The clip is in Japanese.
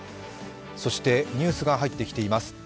そしてニュースが入ってきています。